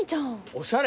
おしゃれ。